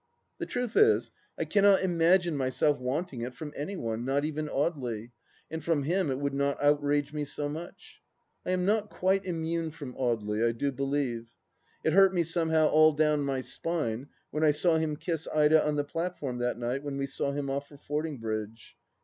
The truth is, I cannot imagine myself wanting it from any one, not even Audely, and from him it would not outrage me so much. I am not quite immune from Audely, I do believe. It hurt me somehow all down my spine when I saw him kiss Ida on the platform that night when we saw him off for Fordingbridge.